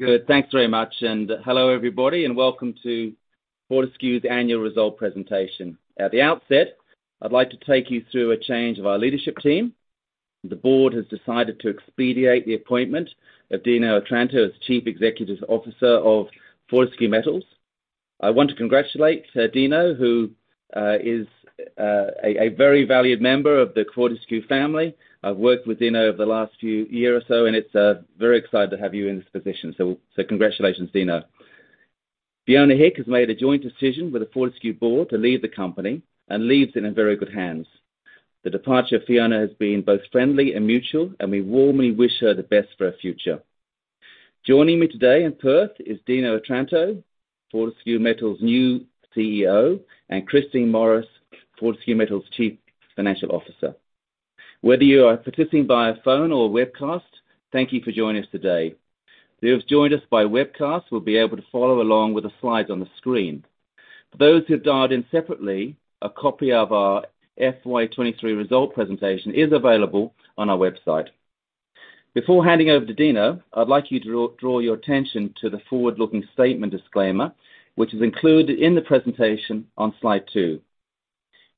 Good. Thanks very much, and hello, everybody, and welcome to Fortescue's Annual Result presentation. At the outset, I'd like to take you through a change of our leadership team. The board has decided to expedite the appointment of Dino Otranto as Chief Executive Officer of Fortescue Metals. I want to congratulate Dino, who is a very valued member of the Fortescue family. I've worked with Dino over the last few year or so, and it's very excited to have you in this position. So, congratulations, Dino. Fiona Hick has made a joint decision with the Fortescue board to leave the company and leaves it in very good hands. The departure of Fiona has been both friendly and mutual, and we warmly wish her the best for her future. Joining me today in Perth is Dino Otranto, Fortescue Metals' new CEO, and Christine Morris, Fortescue Metals Chief Financial Officer. Whether you are participating via phone or webcast, thank you for joining us today. Those who have joined us by webcast will be able to follow along with the slides on the screen. For those who have dialed in separately, a copy of our FY 2023 result presentation is available on our website. Before handing over to Dino, I'd like you to draw your attention to the forward-looking statement disclaimer, which is included in the presentation on slide 2.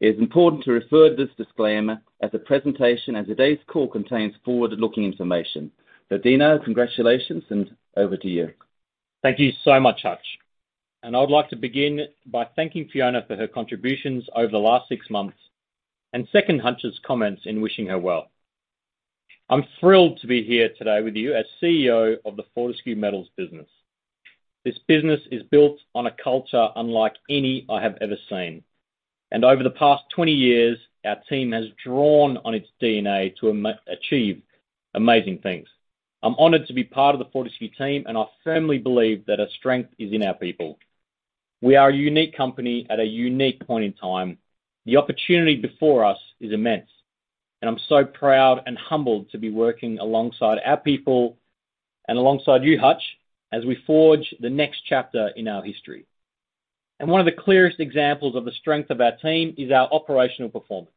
It is important to refer to this disclaimer as the presentation and today's call contains forward-looking information. So Dino, congratulations, and over to you. Thank you so much, Hutch. I'd like to begin by thanking Fiona for her contributions over the last six months, and second Hutch's comments in wishing her well. I'm thrilled to be here today with you as CEO of the Fortescue Metals business. This business is built on a culture unlike any I have ever seen, and over the past 20 years, our team has drawn on its DNA to achieve amazing things. I'm honored to be part of the Fortescue team, and I firmly believe that our strength is in our people. We are a unique company at a unique point in time. The opportunity before us is immense, and I'm so proud and humbled to be working alongside our people and alongside you, Hutch, as we forge the next chapter in our history. One of the clearest examples of the strength of our team is our operational performance.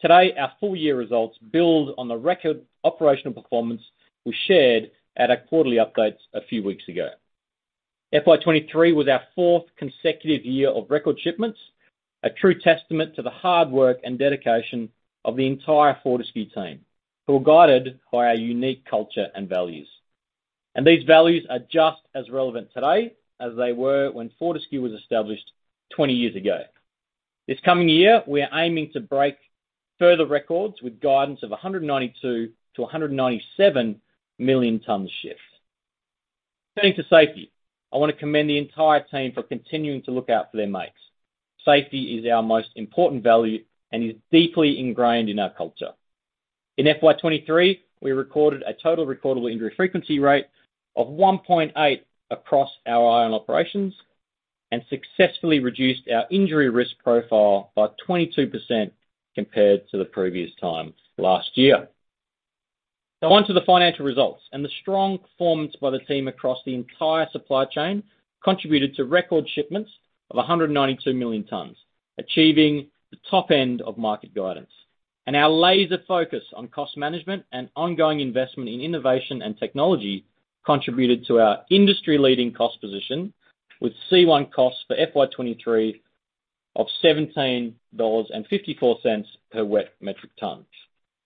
Today, our full-year results build on the record operational performance we shared at our quarterly updates a few weeks ago. FY 2023 was our fourth consecutive year of record shipments, a true testament to the hard work and dedication of the entire Fortescue team, who are guided by our unique culture and values. These values are just as relevant today as they were when Fortescue was established 20 years ago. This coming year, we are aiming to break further records with guidance of 192 to 197 million tonnes shipped. Turning to safety, I want to commend the entire team for continuing to look out for their mates. Safety is our most important value and is deeply ingrained in our culture. In FY 2023, we recorded a total recordable injury frequency rate of 1.8 across our iron operations, and successfully reduced our injury risk profile by 22% compared to the previous time last year. Now on to the financial results, and the strong performance by the team across the entire supply chain contributed to record shipments of 192 million tonnes, achieving the top end of market guidance. Our laser focus on cost management and ongoing investment in innovation and technology contributed to our industry-leading cost position with C1 costs for FY 2023 of $17.54 per wet metric ton.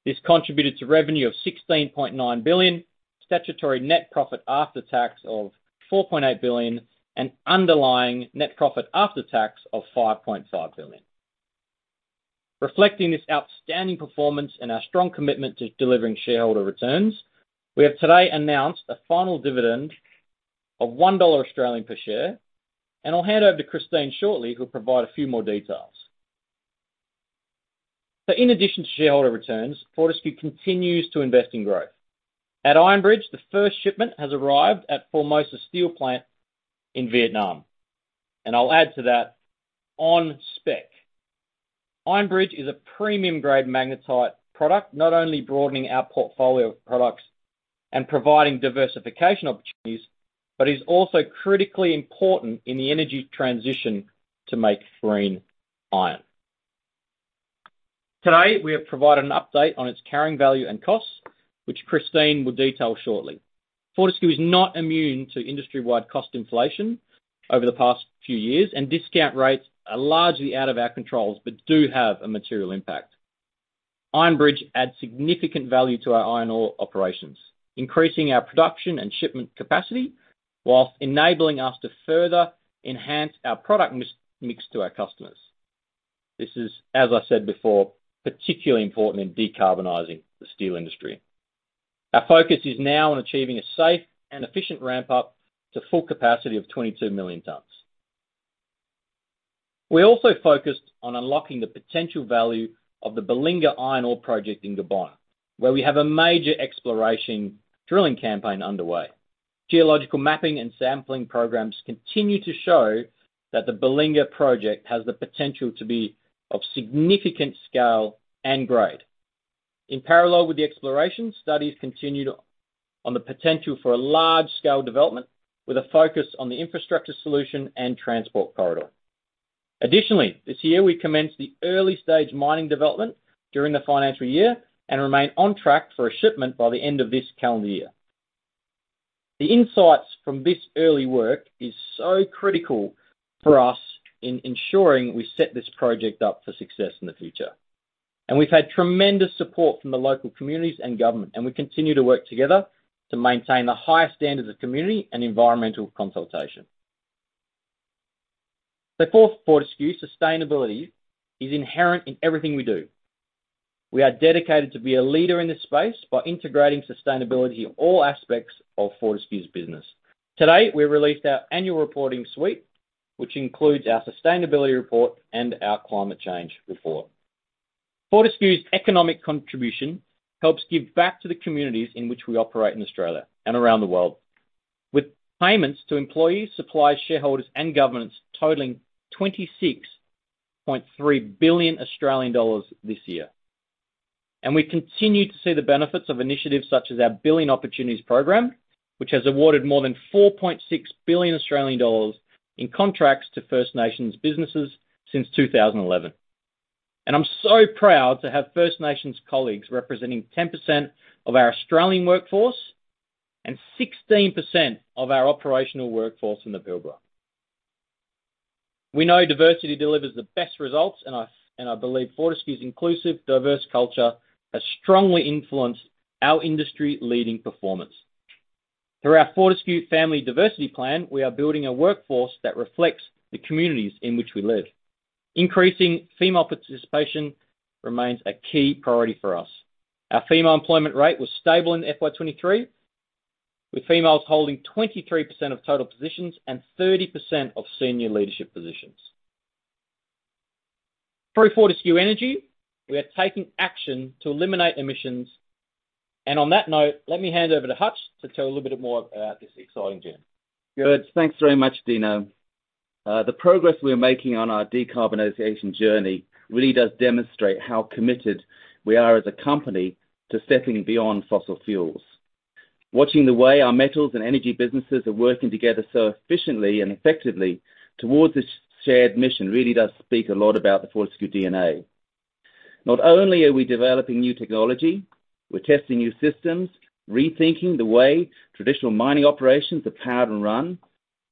This contributed to revenue of 16.9 billion, statutory net profit after tax of 4.8 billion, and underlying net profit after tax of 5.5 billion. Reflecting this outstanding performance and our strong commitment to delivering shareholder returns, we have today announced a final dividend of 1 Australian dollar per share, and I'll hand over to Christine shortly, who'll provide a few more details. In addition to shareholder returns, Fortescue continues to invest in growth. At Iron Bridge, the first shipment has arrived at Formosa Steel plant in Vietnam, and I'll add to that, on spec. Iron Bridge is a premium-grade magnetite product, not only broadening our portfolio of products and providing diversification opportunities, but is also critically important in the energy transition to make green iron. Today, we have provided an update on its carrying value and costs, which Christine will detail shortly. Fortescue is not immune to industry-wide cost inflation over the past few years, and discount rates are largely out of our controls, but do have a material impact. Iron Bridge adds significant value to our iron ore operations, increasing our production and shipment capacity, while enabling us to further enhance our product mix to our customers. This is, as I said before, particularly important in decarbonizing the steel industry. Our focus is now on achieving a safe and efficient ramp-up to full capacity of 22 million tonnes. We're also focused on unlocking the potential value of the Belinga Iron Ore Project in Gabon, where we have a major exploration drilling campaign underway. Geological mapping and sampling programs continue to show that the Belinga project has the potential to be of significant scale and grade. In parallel with the exploration, studies continued on the potential for a large-scale development with a focus on the infrastructure solution and transport corridor.... Additionally, this year, we commenced the early-stage mining development during the financial year and remain on track for a shipment by the end of this calendar year. The insights from this early work is so critical for us in ensuring we set this project up for success in the future. We've had tremendous support from the local communities and government, and we continue to work together to maintain the highest standards of community and environmental consultation. Therefore, Fortescue's sustainability is inherent in everything we do. We are dedicated to be a leader in this space by integrating sustainability in all aspects of Fortescue's business. Today, we released our annual reporting suite, which includes our sustainability report and our climate change report. Fortescue's economic contribution helps give back to the communities in which we operate in Australia and around the world, with payments to employees, suppliers, shareholders, and governments totaling 26.3 billion Australian dollars this year. We continue to see the benefits of initiatives such as our Billion Opportunities program, which has awarded more than 4.6 billion Australian dollars in contracts to First Nations businesses since 2011. I'm so proud to have First Nations colleagues representing 10% of our Australian workforce and 16% of our operational workforce in the Pilbara. We know diversity delivers the best results, and I, and I believe Fortescue's inclusive, diverse culture has strongly influenced our industry-leading performance. Through our Fortescue Family Diversity Plan, we are building a workforce that reflects the communities in which we live. Increasing female participation remains a key priority for us. Our female employment rate was stable in FY 2023, with females holding 23% of total positions and 30% of senior leadership positions. Through Fortescue Energy, we are taking action to eliminate emissions. On that note, let me hand over to Hutch to tell a little bit more about this exciting journey. Good. Thanks very much, Dino. The progress we are making on our decarbonization journey really does demonstrate how committed we are as a company to stepping beyond fossil fuels. Watching the way our metals and energy businesses are working together so efficiently and effectively towards this shared mission, really does speak a lot about the Fortescue DNA. Not only are we developing new technology, we're testing new systems, rethinking the way traditional mining operations are powered and run,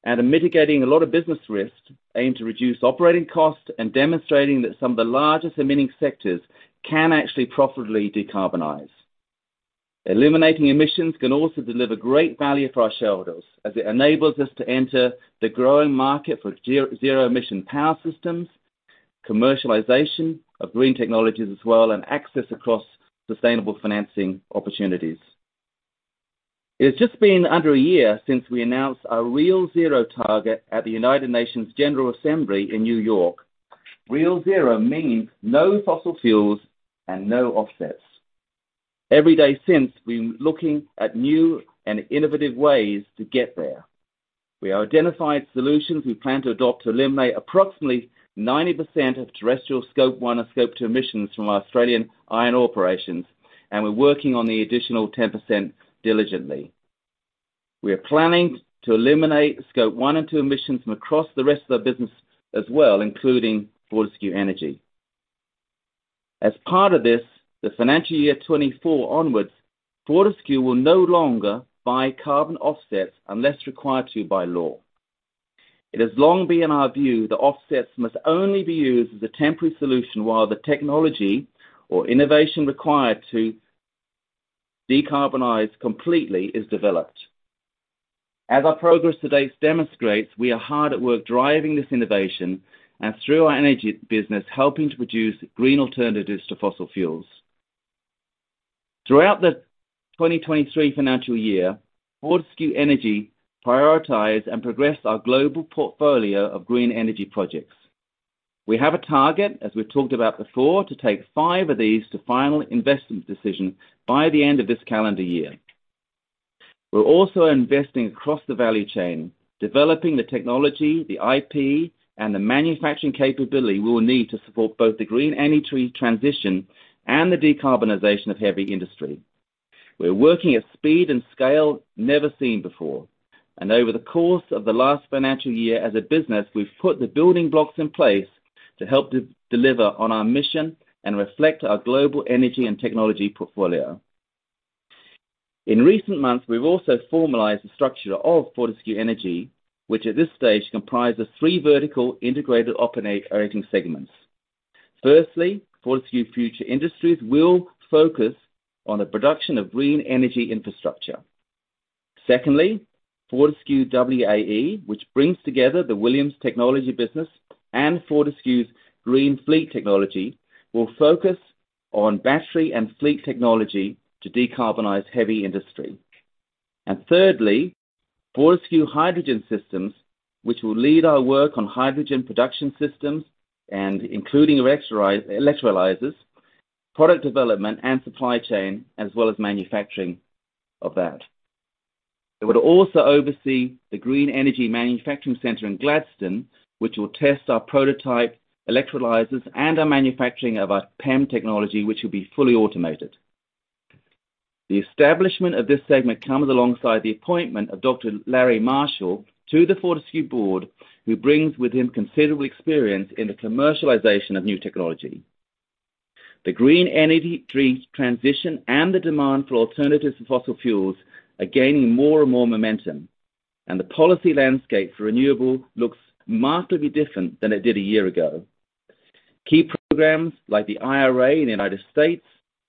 and are mitigating a lot of business risk, aimed to reduce operating costs, and demonstrating that some of the largest emitting sectors can actually profitably decarbonize. Eliminating emissions can also deliver great value for our shareholders, as it enables us to enter the growing market for zero-emission power systems, commercialization of green technologies as well, and access across sustainable financing opportunities. It has just been under a year since we announced our Real Zero target at the United Nations General Assembly in New York. Real Zero means no fossil fuels and no offsets. Every day since, we've been looking at new and innovative ways to get there. We have identified solutions we plan to adopt to eliminate approximately 90% of terrestrial Scope 1 and Scope 2 emissions from our Australian iron operations, and we're working on the additional 10% diligently. We are planning to eliminate Scope 1 and Scope 2 emissions from across the rest of the business as well, including Fortescue Energy. As part of this, the FY 2024 onwards, Fortescue will no longer buy carbon offsets unless required to by law. It has long been, in our view, that offsets must only be used as a temporary solution while the technology or innovation required to decarbonize completely is developed. As our progress to date demonstrates, we are hard at work driving this innovation, and through our energy business, helping to produce green alternatives to fossil fuels. Throughout the FY 2023, Fortescue Energy prioritized and progressed our global portfolio of green energy projects. We have a target, as we've talked about before, to take five of these to final investment decision by the end of this calendar year. We're also investing across the value chain, developing the technology, the IP, and the manufacturing capability we will need to support both the green energy transition and the decarbonization of heavy industry. We're working at speed and scale never seen before, and over the course of the last financial year as a business, we've put the building blocks in place to help deliver on our mission and reflect our global energy and technology portfolio. In recent months, we've also formalized the structure of Fortescue Energy, which at this stage comprises three vertically integrated operating segments. Firstly, Fortescue Future Industries will focus on the production of green energy infrastructure. Secondly, Fortescue WAE, which brings together the Williams Technology business and Fortescue's Green Fleet technology, will focus on battery and fleet technology to decarbonize heavy industry. And thirdly, Fortescue Hydrogen Systems, which will lead our work on hydrogen production systems and including electrolyzers, product development and supply chain, as well as manufacturing of that. It would also oversee the Green Energy Manufacturing Centre in Gladstone, which will test our prototype electrolyzers and our manufacturing of our PEM technology, which will be fully automated. The establishment of this segment comes alongside the appointment of Dr Larry Marshall to the Fortescue Board, who brings with him considerable experience in the commercialization of new technology. The green energy transition and the demand for alternatives to fossil fuels are gaining more and more momentum, and the policy landscape for renewable looks markedly different than it did a year ago. Key programs like the IRA in the United States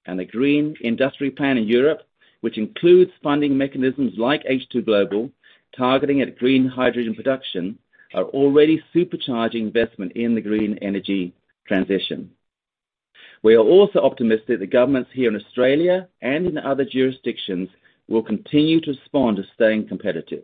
and the Green Industry Plan in Europe, which includes funding mechanisms like H2Global, targeting at green hydrogen production, are already supercharging investment in the green energy transition. We are also optimistic that governments here in Australia and in other jurisdictions will continue to respond to staying competitive.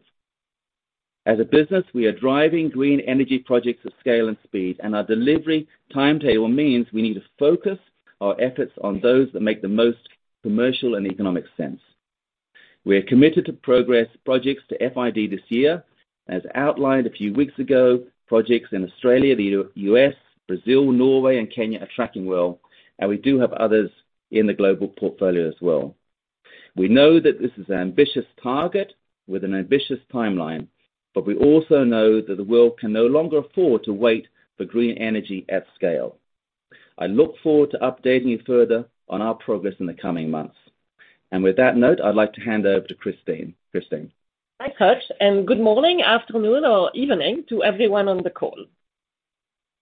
As a business, we are driving green energy projects at scale and speed, and our delivery timetable means we need to focus our efforts on those that make the most commercial and economic sense. We are committed to progress projects to FID this year. As outlined a few weeks ago, projects in Australia, the U.S., Brazil, Norway, and Kenya are tracking well, and we do have others in the global portfolio as well. We know that this is an ambitious target with an ambitious timeline, but we also know that the world can no longer afford to wait for green energy at scale. I look forward to updating you further on our progress in the coming months. And with that note, I'd like to hand over to Christine. Christine? Hi, Hutch, and good morning, afternoon, or evening to everyone on the call.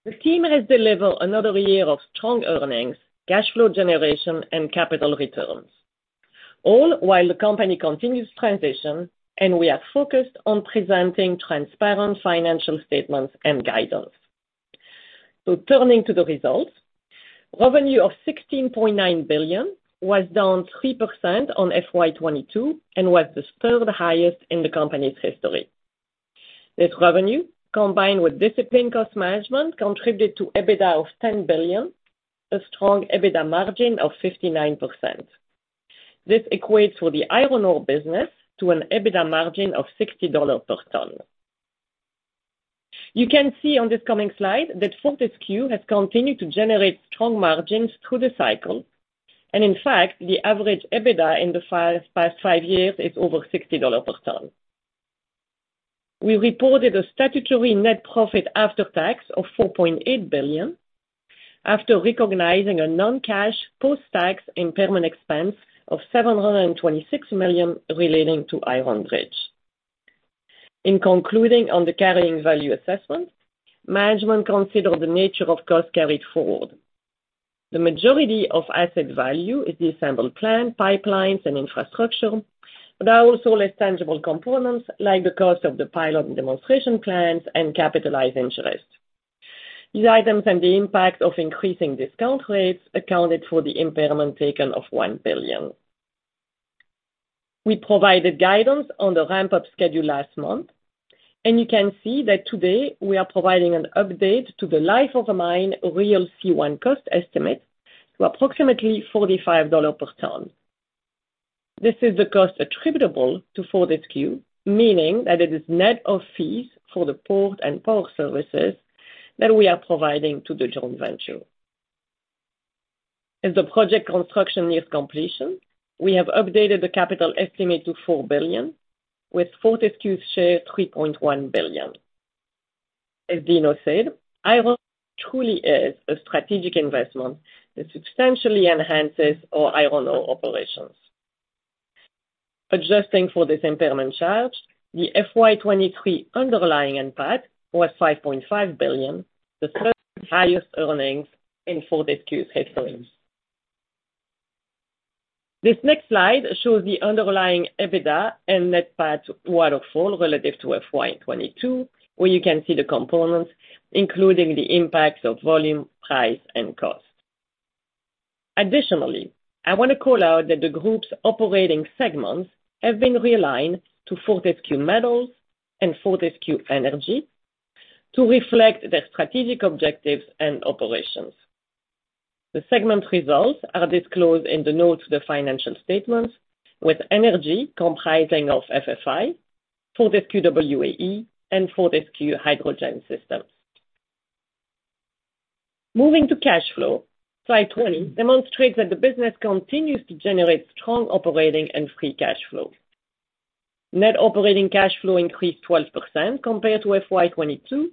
The team has delivered another year of strong earnings, cash flow generation, and capital returns, all while the company continues to transition, and we are focused on presenting transparent financial statements and guidance. Turning to the results. Revenue of 16.9 billion was down 3% on FY 2022 and was the third highest in the company's history. This revenue, combined with disciplined cost management, contributed to EBITDA of 10 billion, a strong EBITDA margin of 59%. This equates for the iron ore business to an EBITDA margin of $60 per ton. You can see on this coming slide that Fortescue has continued to generate strong margins through the cycle, and in fact, the average EBITDA in the past five years is over $60 per ton. We reported a statutory net profit after tax of 4.8 billion, after recognizing a non-cash, post-tax impairment expense of 726 million relating to Iron Bridge. In concluding on the carrying value assessment, management considered the nature of costs carried forward. The majority of asset value is the assembled plant, pipelines, and infrastructure, but there are also less tangible components like the cost of the pilot and demonstration plants and capitalized interest. These items and the impact of increasing discount rates accounted for the impairment taken of 1 billion. We provided guidance on the ramp-up schedule last month, and you can see that today we are providing an update to the life-of-the-mine real C1 cost estimate to approximately $45 per ton. This is the cost attributable to Fortescue, meaning that it is net of fees for the port and port services that we are providing to the joint venture. As the project construction nears completion, we have updated the capital estimate to 4 billion, with Fortescue's share, 3.1 billion. As Dino said, Iron truly is a strategic investment that substantially enhances our iron ore operations. Adjusting for this impairment charge, the FY 2023 underlying NPAT was 5.5 billion, the third highest earnings in Fortescue's history. This next slide shows the underlying EBITDA and NPAT waterfall relative to FY 2022, where you can see the components, including the impacts of volume, price, and cost. Additionally, I want to call out that the group's operating segments have been realigned to Fortescue Metals and Fortescue Energy to reflect their strategic objectives and operations. The segment results are disclosed in the notes of the financial statements, with energy comprising of FFI, Fortescue WAE, and Fortescue Hydrogen Systems. Moving to cash flow, slide 20 demonstrates that the business continues to generate strong operating and free cash flow. Net operating cash flow increased 12% compared to FY 2022,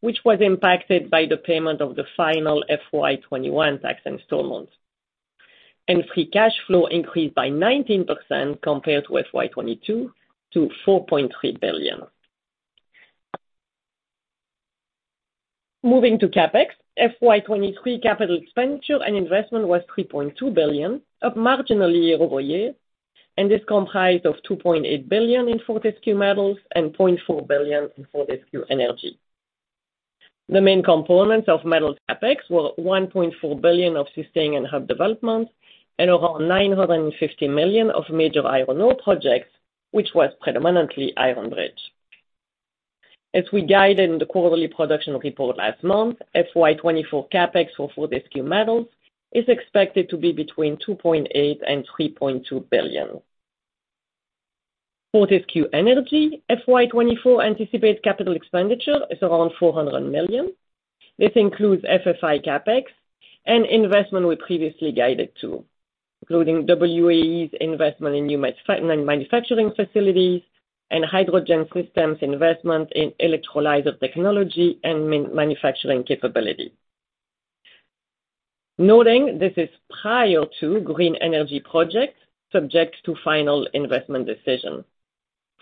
which was impacted by the payment of the final FY 2021 tax installment. Free cash flow increased by 19% compared to FY 2022 to AUD 4.3 billion. Moving to CapEx, FY 2023 capital expenditure and investment was 3.2 billion, up marginally year-over-year, and this comprised of 2.8 billion in Fortescue Metals and 0.4 billion in Fortescue Energy. The main components of metals CapEx were 1.4 billion of sustaining and hub development and around 950 million of major iron ore projects, which was predominantly Iron Bridge. As we guided in the quarterly production report last month, FY 2024 CapEx for Fortescue Metals is expected to be between 2.8 billion and 3.2 billion. Fortescue Energy, FY 2024 anticipated capital expenditure is around 400 million. This includes FFI CapEx and investment we previously guided to, including WAE's investment in new manufacturing facilities and hydrogen systems, investment in electrolysis technology and manufacturing capability. Noting this is prior to green energy projects, subject to final investment decision.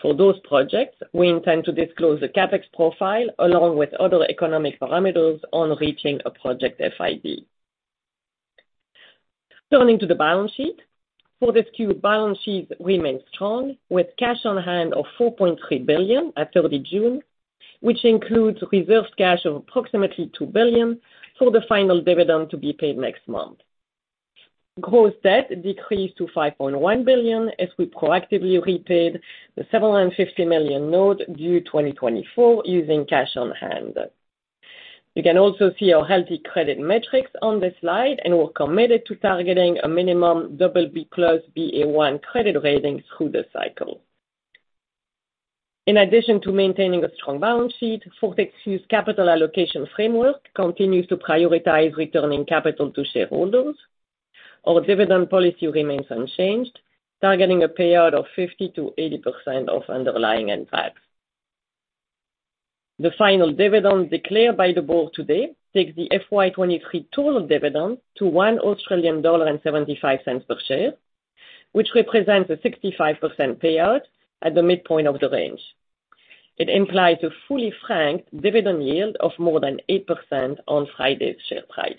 For those projects, we intend to disclose the CapEx profile along with other economic parameters on reaching a project FID. Turning to the balance sheet. Fortescue balance sheet remains strong, with cash on hand of 4.3 billion at 30 June, which includes reserved cash of approximately 2 billion for the final dividend to be paid next month. Gross debt decreased to 5.1 billion as we proactively repaid the 750 million note due 2024 using cash on hand. You can also see our healthy credit metrics on this slide, and we're committed to targeting a minimum BB+/Ba1 credit rating through the cycle. In addition to maintaining a strong balance sheet, Fortescue's capital allocation framework continues to prioritize returning capital to shareholders. Our dividend policy remains unchanged, targeting a payout of 50%-80% of underlying NPAT. The final dividend declared by the Board today takes the FY 2023 total dividend to 1.75 Australian dollar per share, which represents a 65% payout at the midpoint of the range. It implies a fully franked dividend yield of more than 8% on Friday's share price.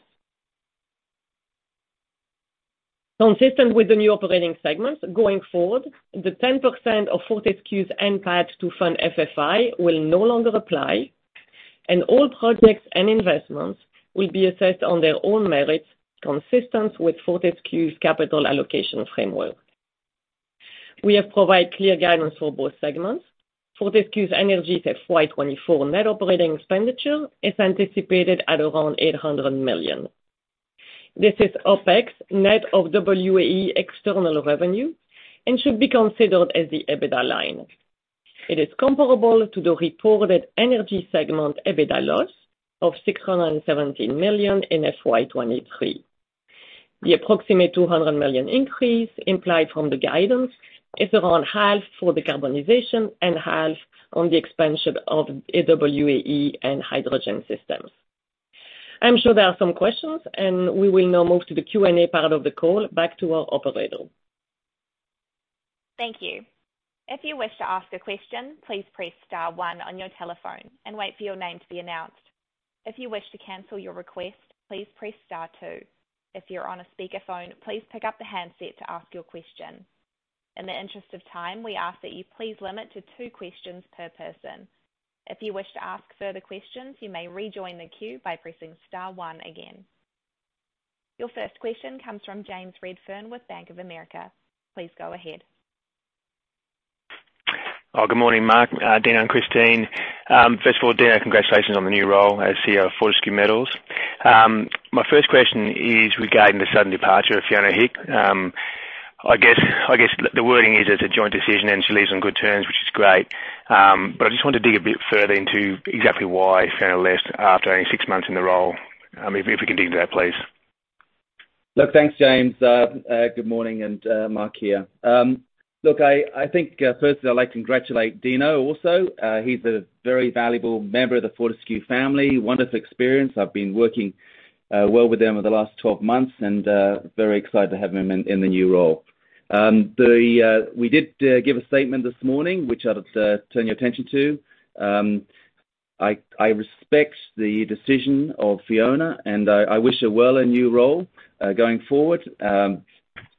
Consistent with the new operating segments, going forward, the 10% of Fortescue's NPAT to fund FFI will no longer apply, and all projects and investments will be assessed on their own merits, consistent with Fortescue's capital allocation framework. We have provided clear guidance for both segments. Fortescue Energy FY 2024 net operating expenditure is anticipated at around 800 million. This is OpEx, net of WAE external revenue and should be considered as the EBITDA line. It is comparable to the reported energy segment EBITDA loss of 617 million in FY 2023. The approximate 200 million increase implied from the guidance is around half for decarbonization and half on the expansion of WAE and hydrogen systems. I'm sure there are some questions, and we will now move to the Q&A part of the call. Back to our Operator. Thank you. If you wish to ask a question, please press star one on your telephone and wait for your name to be announced. If you wish to cancel your request, please press star two. If you're on a speakerphone, please pick up the handset to ask your question. In the interest of time, we ask that you please limit to two questions per person. If you wish to ask further questions, you may rejoin the queue by pressing star one again. Your first question comes from James Redfern with Bank of America. Please go ahead. Oh, good morning, Mark, Dino, and Christine. First of all, Dino, congratulations on the new role as CEO of Fortescue Metals. My first question is regarding the sudden departure of Fiona Hick. I guess, I guess the wording is it's a joint decision, and she leaves on good terms, which is great. But I just want to dig a bit further into exactly why Fiona left after only six months in the role. If we can dig into that, please. Look, thanks, James. Good morning, and Mark here. Look, I think, firstly, I'd like to congratulate Dino also. He's a very valuable member of the Fortescue family. Wonderful experience. I've been working well with him over the last 12 months and very excited to have him in the new role. We did give a statement this morning, which I'd turn your attention to. I respect the decision of Fiona, and I wish her well in her new role going forward.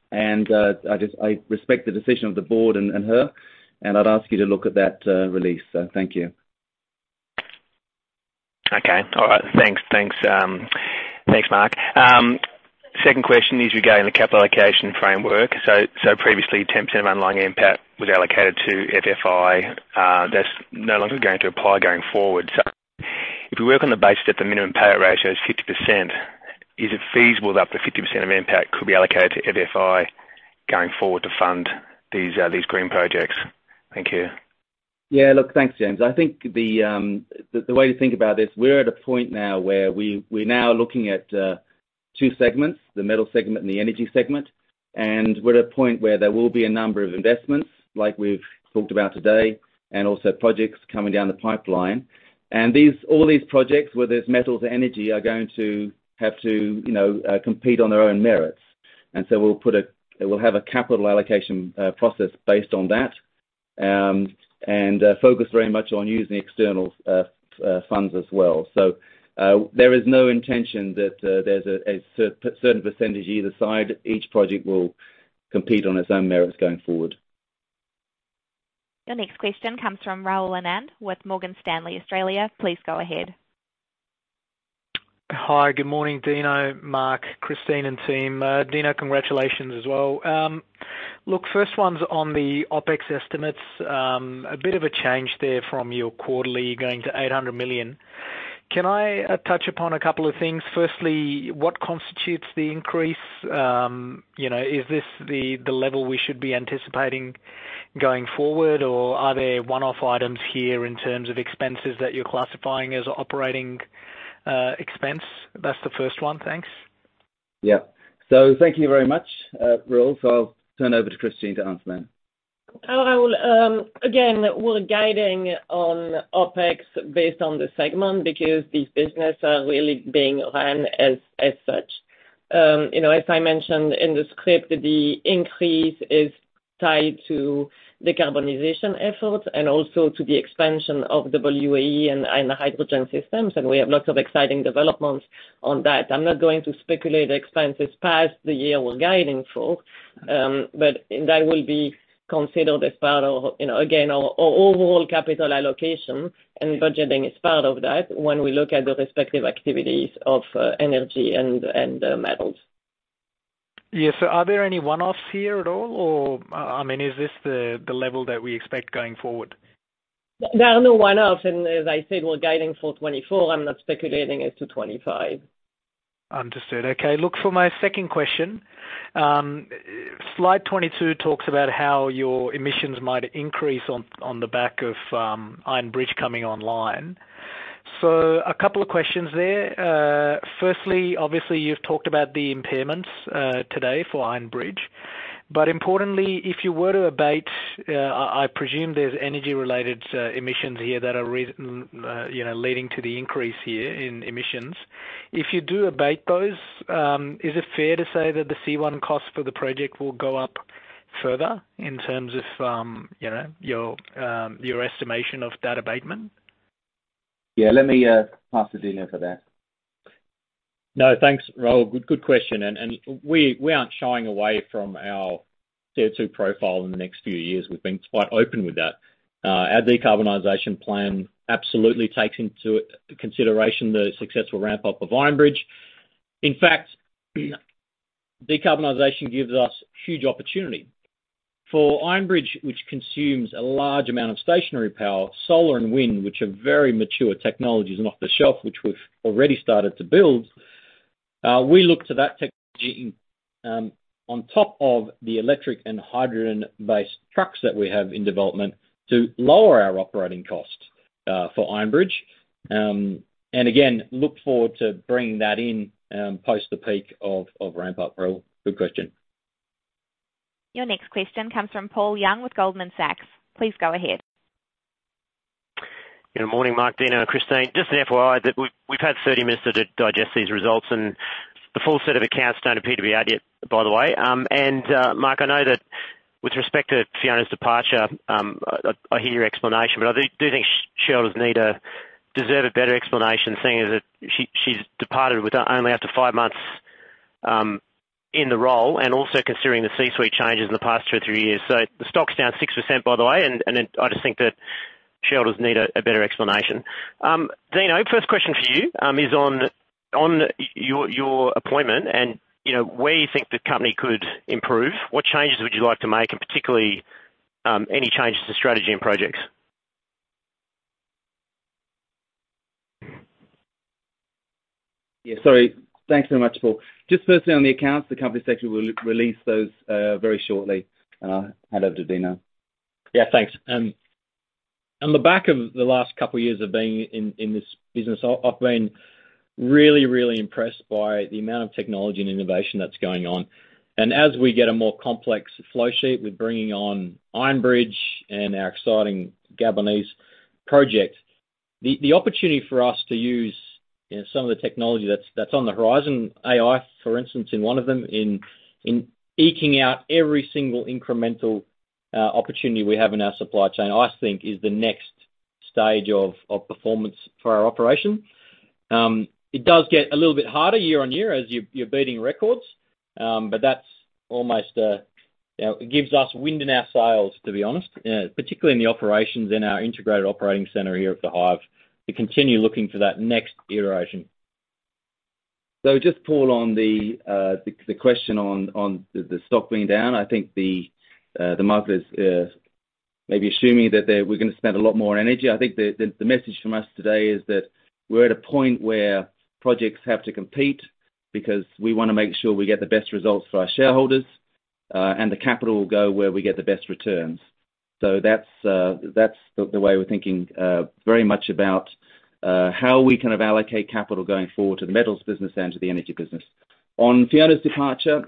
And I just respect the decision of the Board and her, and I'd ask you to look at that release. So thank you. Okay. All right. Thanks. Thanks, thanks, Mark. Second question is regarding the capital allocation framework. So, previously, 10% of underlying NPAT was allocated to FFI. That's no longer going to apply going forward. So if we work on the basis that the minimum payout ratio is 50%, is it feasible that up to 50% of NPAT could be allocated to FFI going forward to fund these, these green projects? Thank you. Yeah, look, thanks, James. I think the way to think about this, we're at a point now where we're now looking at two segments, the metal segment and the energy segment. And we're at a point where there will be a number of investments, like we've talked about today, and also projects coming down the pipeline. And these all these projects, whether it's metals or energy, are going to have to, you know, compete on their own merits. And so we'll have a capital allocation process based on that, and focus very much on using external funds as well. So, there is no intention that there's a certain percentage either side. Each project will compete on its own merits going forward. Your next question comes from Rahul Anand with Morgan Stanley Australia. Please go ahead. Hi, good morning, Dino, Mark, Christine, and team. Dino, congratulations as well. Look, first one's on the OpEx estimates. A bit of a change there from your quarterly going to 800 million. Can I touch upon a couple of things? Firstly, what constitutes the increase? You know, is this the level we should be anticipating going forward, or are there one-off items here in terms of expenses that you're classifying as operating expense? That's the first one. Thanks. Yeah. So thank you very much, Rahul. So I'll turn over to Christine to answer that. I will again, we're guiding on OpEx based on the segment because these businesses are really being run as such. You know, as I mentioned in the script, the increase is tied to the decarbonization efforts and also to the expansion of WAE and hydrogen systems, and we have lots of exciting developments on that. I'm not going to speculate expenses past the year we're guiding for, but that will be considered as part of, you know, again, our overall capital allocation, and budgeting is part of that when we look at the respective activities of energy and metals. Yeah. So are there any one-offs here at all, or, I mean, is this the, the level that we expect going forward? There are no one-offs, and as I said, we're guiding for 2024. I'm not speculating as to 2025. Understood. Okay. Look, for my second question, slide 22 talks about how your emissions might increase on, on the back of, Iron Bridge coming online. So a couple of questions there. Firstly, obviously, you've talked about the impairments, today for Iron Bridge, but importantly, if you were to abate, I presume there's energy-related emissions here that are, you know, leading to the increase here in emissions. If you do abate those, is it fair to say that the C1 cost for the project will go up further in terms of, you know, your estimation of that abatement? Yeah, let me pass to Dino for that. No, thanks, Rahul. Good question, and we aren't shying away from our CO2 profile in the next few years. We've been quite open with that. Our decarbonization plan absolutely takes into consideration the successful ramp-up of Iron Bridge. In fact, decarbonization gives us huge opportunity. For Iron Bridge, which consumes a large amount of stationary power, solar and wind, which are very mature technologies and off-the-shelf, which we've already started to build, we look to that technology, on top of the electric and hydrogen-based trucks that we have in development, to lower our operating costs, for Iron Bridge. And again, look forward to bringing that in, post the peak of ramp-up. Rahul, good question. Your next question comes from Paul Young with Goldman Sachs. Please go ahead. Good morning, Mark, Dino, and Christine. Just an FYI that we've had 30 minutes to digest these results, and the full set of accounts don't appear to be out yet, by the way. And, Mark, I know that with respect to Fiona's departure, I hear your explanation, but I do think shareholders deserve a better explanation, seeing as that she's departed with only after five months in the role, and also considering the C-suite changes in the past two or three years. So the stock's down 6%, by the way, and then I just think that shareholders need a better explanation. Dino, first question for you is on your appointment and, you know, where you think the company could improve. What changes would you like to make, and particularly, any changes to strategy and projects? Yeah, sorry. Thanks so much, Paul. Just firstly, on the accounts, the company section will re-release those very shortly. And I'll hand over to Dino. Yeah, thanks. On the back of the last couple of years of being in this business, I've been really, really impressed by the amount of technology and innovation that's going on. And as we get a more complex flow sheet with bringing on Iron Bridge and our exciting Gabonese project, the opportunity for us to use, you know, some of the technology that's on the horizon, AI, for instance, in one of them, in eking out every single incremental opportunity we have in our supply chain, I think is the next stage of performance for our operation. It does get a little bit harder year-on-year as you're beating records, but that's almost, you know, it gives us wind in our sails, to be honest, particularly in the operations in our integrated operating center here at the Hive, to continue looking for that next iteration. So just Paul, on the question on the stock being down, I think the market is maybe assuming that they-- we're gonna spend a lot more on energy. I think the message from us today is that we're at a point where projects have to compete because we wanna make sure we get the best results for our shareholders, and the capital will go where we get the best returns. So that's that's the way we're thinking very much about how we kind of allocate capital going forward to the metals business and to the energy business. On Fiona's departure,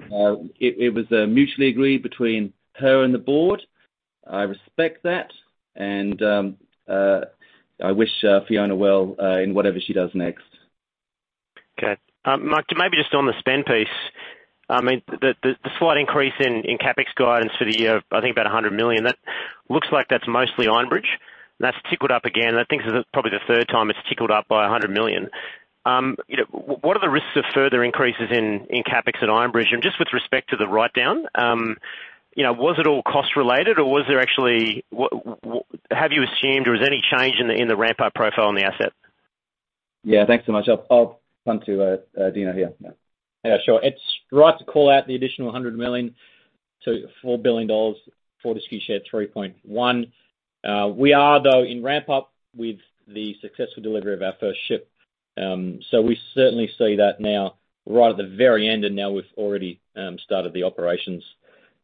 it was mutually agreed between her and the Board. I respect that, and I wish Fiona well in whatever she does next. Okay. Mark, maybe just on the spend piece, I mean, the slight increase in CapEx guidance for the year, I think about 100 million, that looks like that's mostly Iron Bridge, and that's tickled up again. I think this is probably the third time it's tickled up by 100 million. You know, what are the risks of further increases in CapEx at Iron Bridge? And just with respect to the write-down, you know, was it all cost related, or was there actually... Have you assumed, or is there any change in the ramp-up profile on the asset?... Yeah, thanks so much. I'll come to Dino here. Yeah, sure. It's right to call out the additional 100 million-4 billion dollars for the Fortescue share 3.1 billion. We are though in ramp-up with the successful delivery of our first ship. So we certainly see that now, right at the very end, and now we've already started the operations.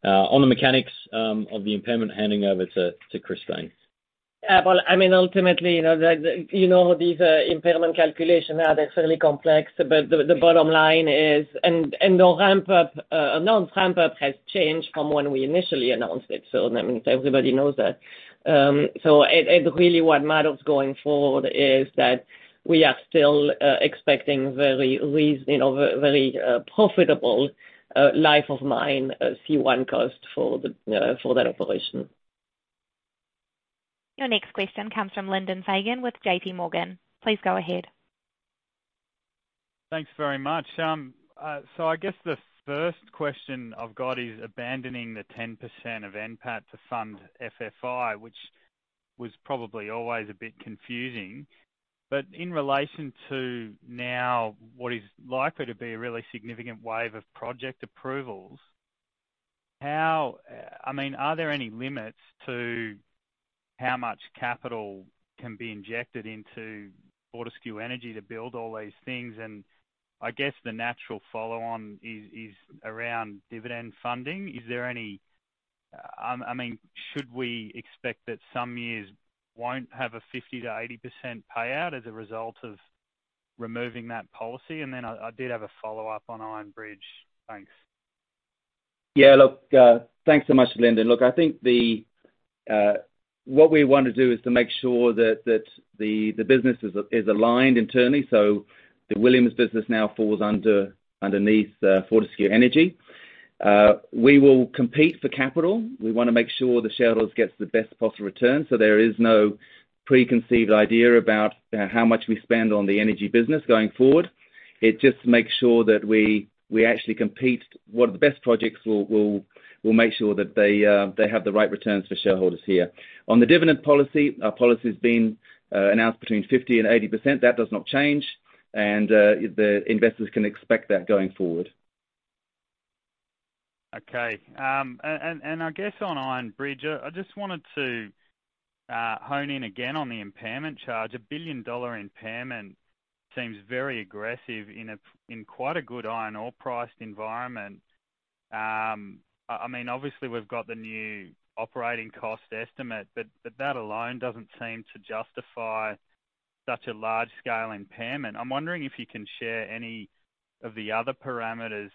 On the mechanics of the impairment, handing over to Christine. Yeah, well, I mean, ultimately, you know, these impairment calculations are fairly complex, but the bottom line is, and the announced ramp-up has changed from when we initially announced it, so that means everybody knows that. So, really what matters going forward is that we are still expecting very reasonable, you know, very profitable life-of-mine C1 cost for that operation. Your next question comes from Lyndon Fagan with JPMorgan. Please go ahead. Thanks very much. So I guess the first question I've got is abandoning the 10% of NPAT to fund FFI, which was probably always a bit confusing. But in relation to now, what is likely to be a really significant wave of project approvals, how, I mean, are there any limits to how much capital can be injected into Fortescue Energy to build all these things? And I guess the natural follow on is around dividend funding. Is there any, I mean, should we expect that some years won't have a 50%-80% payout as a result of removing that policy? And then I did have a follow-up on Iron Bridge. Thanks. Yeah, look, thanks so much, Lyndon. Look, I think what we want to do is to make sure that the business is aligned internally. So the Williams business now falls under Fortescue Energy. We will compete for capital. We wanna make sure the shareholders gets the best possible return, so there is no preconceived idea about how much we spend on the energy business going forward. It just makes sure that we actually compete what the best projects will make sure that they have the right returns for shareholders here. On the dividend policy, our policy has been announced between 50%-80%. That does not change, and the investors can expect that going forward. Okay. And I guess on Iron Bridge, I just wanted to hone in again on the impairment charge. A $1 billion impairment seems very aggressive in quite a good iron ore priced environment. I mean, obviously we've got the new operating cost estimate, but that alone doesn't seem to justify such a large-scale impairment. I'm wondering if you can share any of the other parameters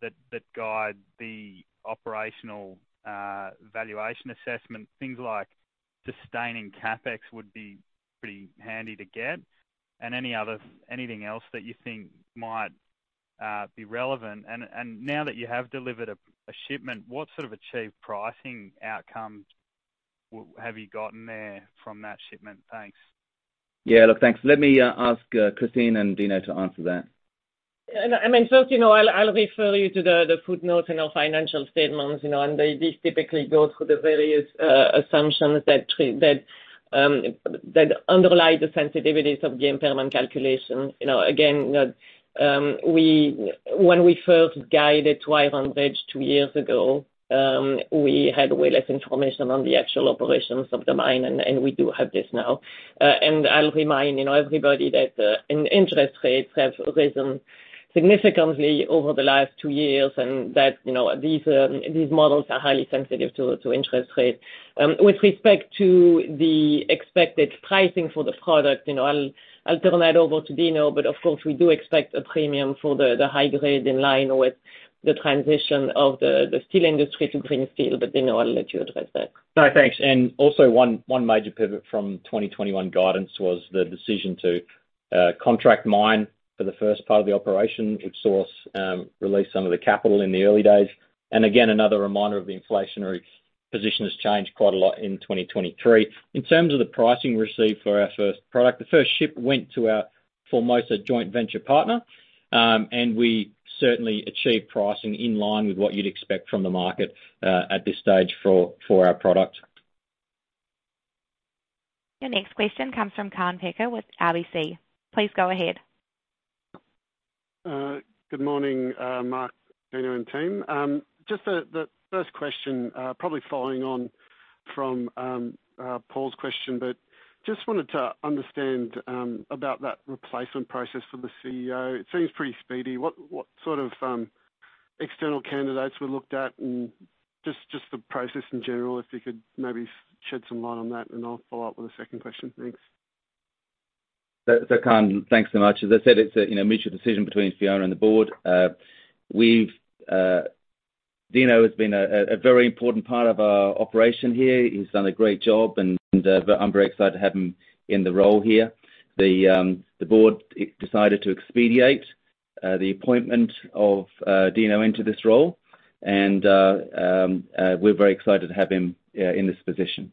that guide the operational valuation assessment. Things like sustaining CapEx would be pretty handy to get, and anything else that you think might be relevant. And now that you have delivered a shipment, what sort of achieved pricing outcome have you gotten there from that shipment? Thanks. Yeah, look, thanks. Let me ask Christine and Dino to answer that. I mean, first, you know, I'll refer you to the footnotes in our financial statements, you know, and they, these typically go through the various assumptions that underlie the sensitivities of the impairment calculation. You know, again, when we first guided to Iron Bridge two years ago, we had way less information on the actual operations of the mine, and we do have this now. And I'll remind, you know, everybody that in interest rates have risen significantly over the last two years and that, you know, these models are highly sensitive to interest rates. With respect to the expected pricing for the product, you know, I'll turn that over to Dino, but of course, we do expect a premium for the high-grade in line with the transition of the steel industry to green steel. But Dino, I'll let you address that. No, thanks. And also one major pivot from 2021 guidance was the decision to contract-mine for the first part of the operation, which saw us release some of the capital in the early days. And again, another reminder of the inflationary position has changed quite a lot in 2023. In terms of the pricing received for our first product, the first ship went to our Formosa joint venture partner, and we certainly achieved pricing in line with what you'd expect from the market at this stage for our product. Your next question comes from Kaan Peker with RBC. Please go ahead. Good morning, Mark, Dino, and team. Just the first question, probably following on from Paul's question, but just wanted to understand about that replacement process for the CEO. It seems pretty speedy. What sort of external candidates were looked at, and just the process in general, if you could maybe shed some light on that, and I'll follow up with a second question. Thanks. So, Kaan, thanks so much. As I said, it's a, you know, mutual decision between Fiona and the Board. Dino has been a very important part of our operation here. He's done a great job, and but I'm very excited to have him in the role here. The Board decided to expedite the appointment of Dino into this role, and we're very excited to have him in this position.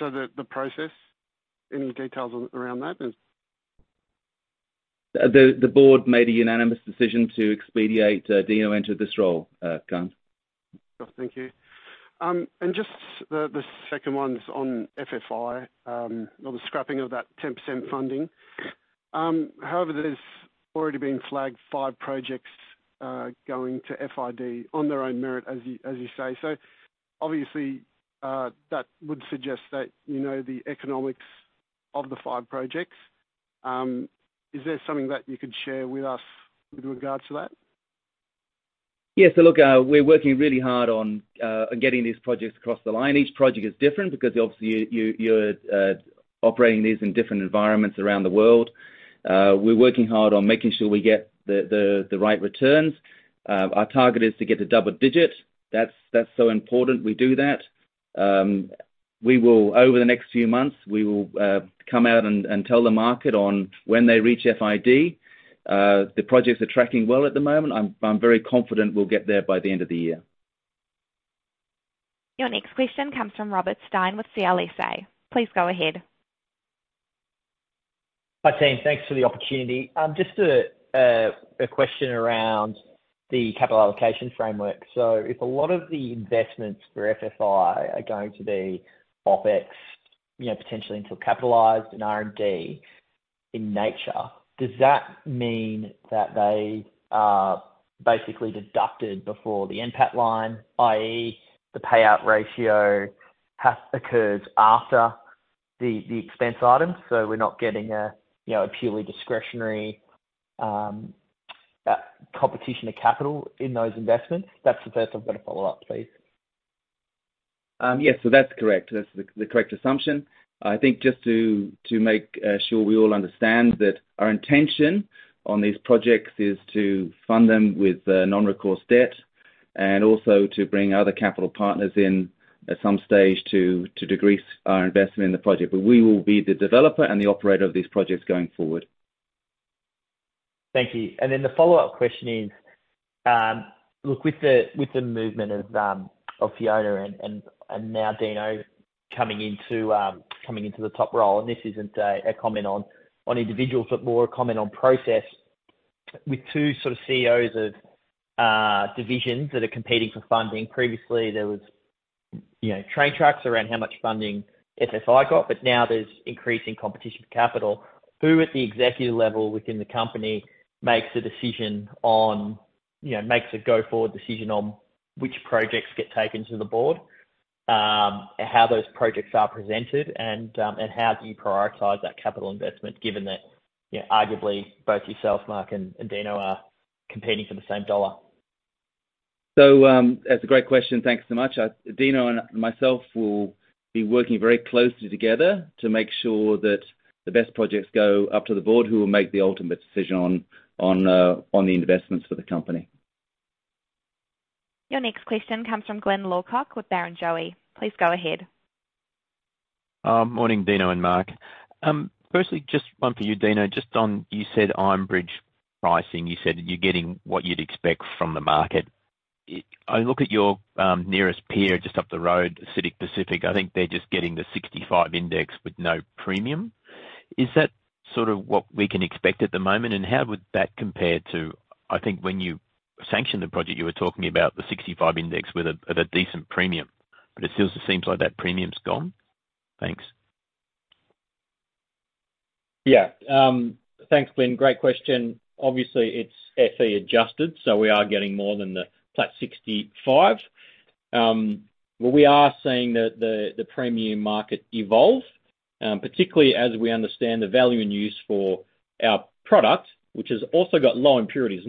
So the process, any details around that, and-... The Board made a unanimous decision to expedite Dino enter this role, Grant. Thank you. And just the second one's on FFI, or the scrapping of that 10% funding. However, there's already been flagged five projects, going to FID on their own merit, as you, as you say. So obviously, that would suggest that you know the economics of the five projects. Is there something that you could share with us with regards to that? Yeah, so look, we're working really hard on getting these projects across the line. Each project is different because obviously, you're operating these in different environments around the world. We're working hard on making sure we get the right returns. Our target is to get to double-digit. That's so important we do that. We will, over the next few months, we will come out and tell the market on when they reach FID. The projects are tracking well at the moment. I'm very confident we'll get there by the end of the year. Your next question comes from Robert Stein with CLSA. Please go ahead. Hi, team. Thanks for the opportunity. Just a question around the capital allocation framework. So if a lot of the investments for FFI are going to be OpEx, you know, potentially until capitalized in R&D in nature, does that mean that they are basically deducted before the NPAT line, i.e., the payout ratio occurs after the expense item? So we're not getting, you know, a purely discretionary competition of capital in those investments? That's the first. I've got a follow-up, please. Yes, so that's correct. That's the correct assumption. I think just to make sure we all understand that our intention on these projects is to fund them with non-recourse debt, and also to bring other capital partners in at some stage to decrease our investment in the project. But we will be the developer and the operator of these projects going forward. Thank you. And then the follow-up question is, look, with the, with the movement of, of Fiona and, and, and now Dino coming into, coming into the top role, and this isn't a, a comment on, on individuals, but more a comment on process. With two sort of CEOs of, divisions that are competing for funding, previously, there was, you know, train tracks around how much funding FFI got, but now there's increasing competition for capital. Who at the executive level within the company makes a decision on, you know, makes a go-forward decision on which projects get taken to the Board? How those projects are presented, and, and how do you prioritize that capital investment, given that, you know, arguably both yourself, Mark and, and Dino are competing for the same dollar? So, that's a great question. Thanks so much. I, Dino and myself will be working very closely together to make sure that the best projects go up to the board, who will make the ultimate decision on the investments for the company. Your next question comes from Glyn Lawcock with Barrenjoey. Please go ahead. Morning, Dino and Mark. Firstly, just one for you, Dino. Just on Iron Bridge pricing, you said you're getting what you'd expect from the market. I look at your nearest peer just up the road, CITIC Pacific. I think they're just getting the 65% index with no premium. Is that sort of what we can expect at the moment? And how would that compare to... I think when you sanctioned the project, you were talking about the 65% index with a decent premium, but it still just seems like that premium's gone. Thanks. Yeah. Thanks, Glyn. Great question. Obviously, it's Fe-adjusted, so we are getting more than the flat 65%. But we are seeing the premium market evolve, particularly as we understand the value and use for our product, which has also got low impurities,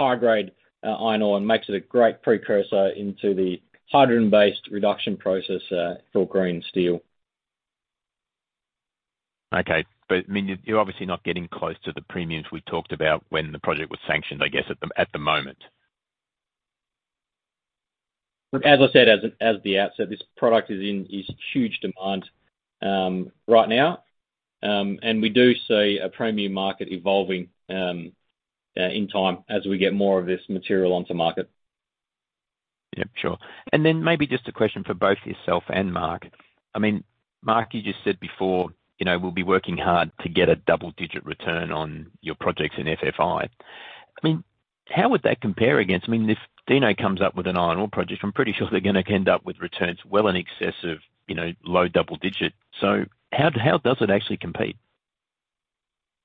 not just high-grade iron ore, makes it a great precursor into the hydrogen-based reduction process for green steel. Okay. But I mean, you're obviously not getting close to the premiums we talked about when the project was sanctioned, I guess, at the moment. Look, as I said, as the outset, this product is in huge demand right now. And we do see a premium market evolving in time as we get more of this material onto market. Yep, sure. And then maybe just a question for both yourself and Mark. I mean, Mark, you just said before, you know, we'll be working hard to get a double-digit return on your projects in FFI. I mean, how would that compare against... I mean, if Dino comes up with an iron ore project, I'm pretty sure they're gonna end up with returns well in excess of, you know, low double digit. So how, how does it actually compete?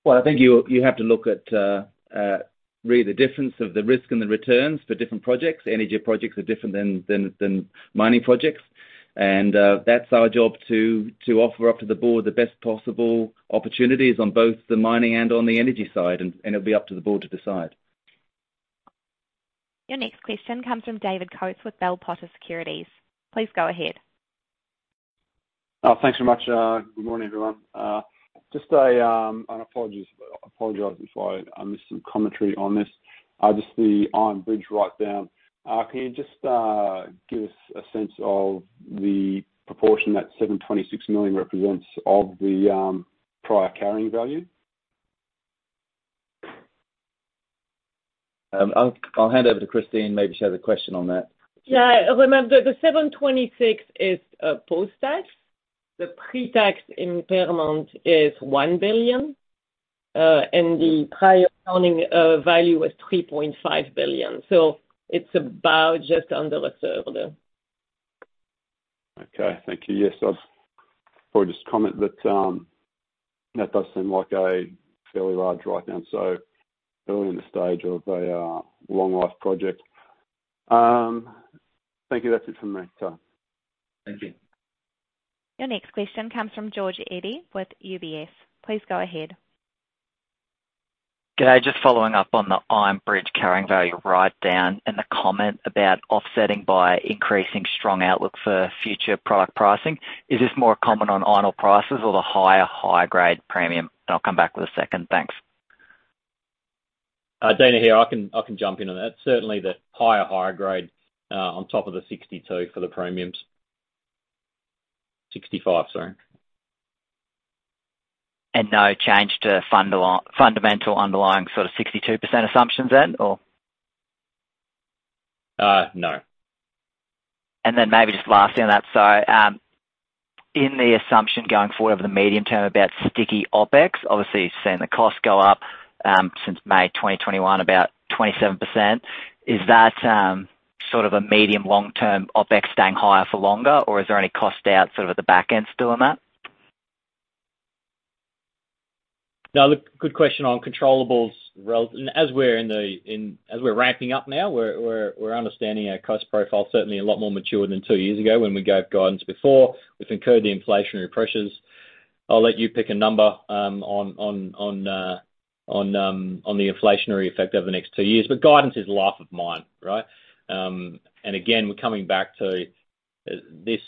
Well, I think you have to look at really the difference of the risk and the returns for different projects. Energy projects are different than mining projects. And that's our job to offer up to the board the best possible opportunities on both the mining and on the energy side, and it'll be up to the Board to decide. Your next question comes from David Coates with Bell Potter Securities. Please go ahead. Thanks so much. Good morning, everyone. Apologies—I apologize if I missed some commentary on this, just the Iron Bridge write down. Can you just give us a sense of the proportion that 726 million represents of the prior carrying value?... I'll hand over to Christine, maybe she has a question on that. Yeah, remember, the 726 is post-tax. The pre-tax impairment is 1 billion, and the prior accounting value was 3.5 billion. So it's about just under reserved. Okay, thank you. Yes, I'd probably just comment that that does seem like a fairly large write-down, so early in the stage of a long life project. Thank you. That's it for me. Bye. Thank you. Your next question comes from George Eadie with UBS. Please go ahead. G'day, just following up on the Iron Bridge carrying value right down and the comment about offsetting by increasing strong outlook for future product pricing. Is this more common on iron ore prices or the higher, higher grade premium? I'll come back with a second. Thanks. Dino here. I can jump in on that. Certainly, the higher grade on top of the 62% for the premiums. 65%, sorry. No change to fundamental underlying sort of 62% assumptions then, or? Uh, no. And then maybe just lastly on that, so, in the assumption going forward over the medium term about sticky OpEx, obviously, you've seen the costs go up since May 2021, about 27%. Is that sort of a medium long-term OpEx staying higher for longer? Or is there any cost out sort of at the back end still on that? Now, look, good question on controllables relevant. As we're ramping up now, we're understanding our cost profile, certainly a lot more matured than two years ago when we gave guidance before. We've incurred the inflationary pressures. I'll let you pick a number on the inflationary effect over the next two years, but guidance is life-of-mine, right? And again, we're coming back to this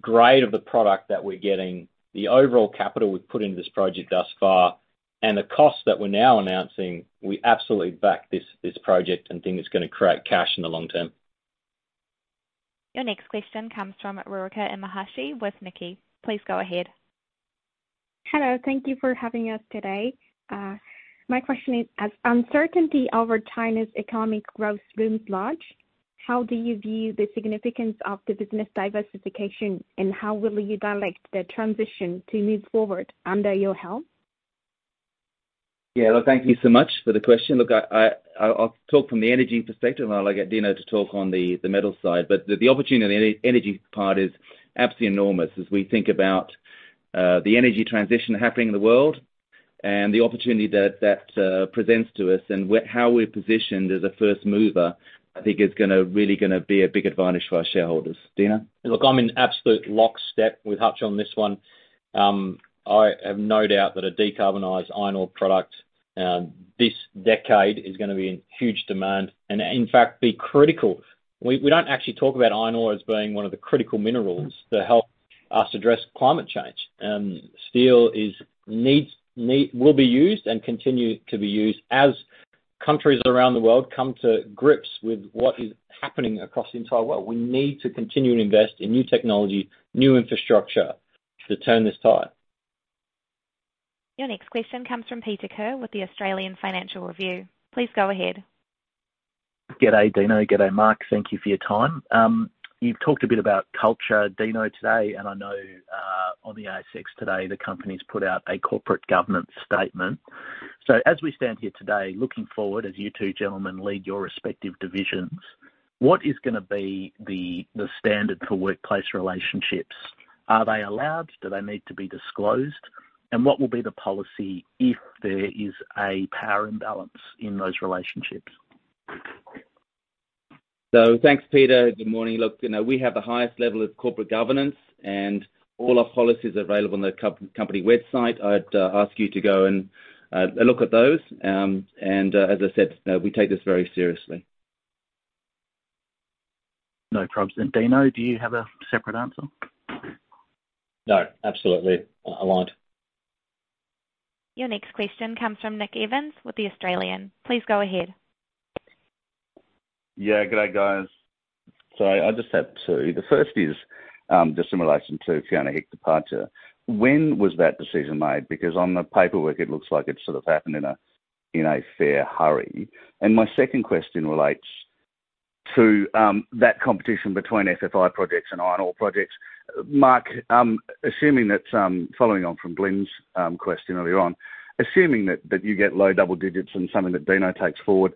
grade of the product that we're getting, the overall capital we've put into this project thus far, and the costs that we're now announcing; we absolutely back this project and think it's gonna create cash in the long term. Your next question comes from Rurika Imahashi with Nikkei. Please go ahead. Hello, thank you for having us today. My question is, as uncertainty over China's economic growth looms large, how do you view the significance of the business diversification, and how will you direct the transition to move forward under your help? Yeah, look, thank you so much for the question. Look, I'll talk from the energy perspective, and I'll get Dino to talk on the metal side. But the opportunity on the energy part is absolutely enormous as we think about the energy transition happening in the world and the opportunity that presents to us and how we're positioned as a first mover. I think is gonna really be a big advantage for our shareholders. Dino? Look, I'm in absolute lockstep with Hutch on this one. I have no doubt that a decarbonized iron ore product, this decade is gonna be in huge demand and, in fact, be critical. We don't actually talk about iron ore as being one of the critical minerals to help us address climate change. Steel will be used and continue to be used as countries around the world come to grips with what is happening across the entire world. We need to continue to invest in new technology, new infrastructure, to turn this tide. Your next question comes from Peter Kerr with the Australian Financial Review. Please go ahead. G'day, Dino. G'day, Mark. Thank you for your time. You've talked a bit about culture, Dino, today, and I know on the ASX today, the company's put out a corporate governance statement. So as we stand here today, looking forward as you two gentlemen lead your respective divisions, what is gonna be the standard for workplace relationships? Are they allowed? Do they need to be disclosed? And what will be the policy if there is a power imbalance in those relationships? So thanks, Peter. Good morning. Look, you know, we have the highest level of corporate governance, and all our policies are available on the company website. I'd ask you to go and a look at those, and as I said, we take this very seriously. No problems. Then, Dino, do you have a separate answer? No, absolutely, aligned. Your next question comes from Nick Evans with The Australian. Please go ahead. Yeah, g'day, guys. So I just have two: the first is, just in relation to Fiona Hicks departure. When was that decision made? Because on the paperwork, it looks like it sort of happened in a, in a fair hurry. And my second question relates to, that competition between FFI projects and iron ore projects. Mark, assuming that, following on from Lyndon's, question earlier on, assuming that, that you get low double digits and something that Dino takes forward,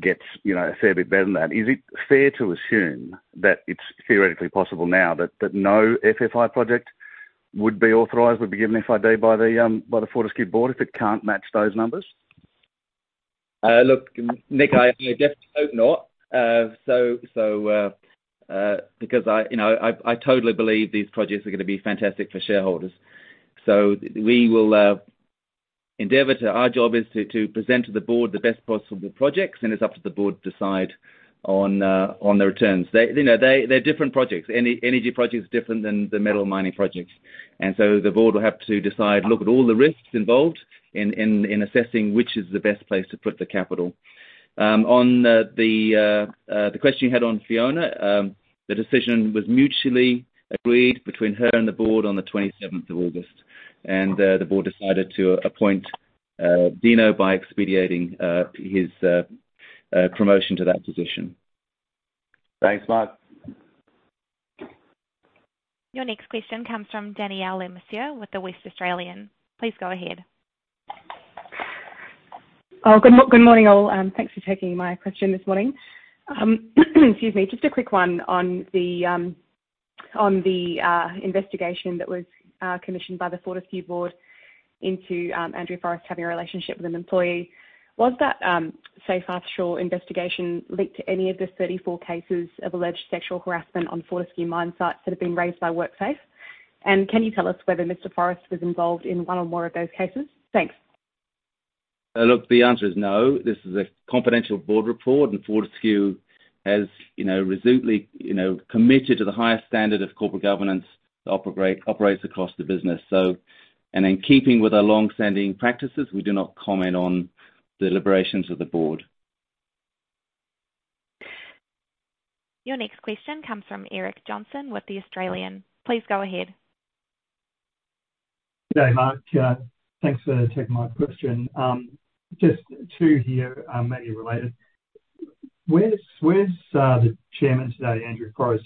gets, you know, a fair bit better than that, is it fair to assume that it's theoretically possible now that, that no FFI project would be authorized, would be given FID by the, by the Fortescue Board if it can't match those numbers? Look, Nick, I definitely hope not. So, so, because I, you know, I totally believe these projects are gonna be fantastic for shareholders. So we will endeavor to—Our job is to present to the Board the best possible projects, then it's up to the Board to decide on the returns. They, you know, they're different projects. Any energy project is different than the metal mining projects, and so the Board will have to decide, look at all the risks involved in assessing which is the best place to put the capital. On the question you had on Fiona, the decision was mutually agreed between her and the Board on the 27 August. The board decided to appoint Dino by expediting his promotion to that position. Thanks, Mark. Your next question comes from Danielle Le Messurier with The West Australian. Please go ahead. Good morning, all. Thanks for taking my question this morning. Excuse me. Just a quick one on the investigation that was commissioned by the Fortescue Board into Andrew Forrest having a relationship with an employee. Was that Seyfarth Shaw investigation linked to any of the 34 cases of alleged sexual harassment on Fortescue mine sites that have been raised by WorkSafe? And can you tell us whether Mr Forrest was involved in one or more of those cases? Thanks. Look, the answer is no. This is a confidential Board report, and Fortescue has, you know, resolutely, you know, committed to the highest standard of corporate governance, operates, operates across the business. And in keeping with our long-standing practices, we do not comment on deliberations of the Board. Your next question comes from Eric Johnston with The Australian. Please go ahead. Good day, Mark. Thanks for taking my question. Just two here, maybe related. Where's the Chairman today, Andrew Forrest?